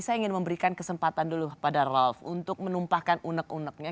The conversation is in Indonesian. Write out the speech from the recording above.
saya ingin memberikan kesempatan dulu pada ralf untuk menumpahkan unek uneknya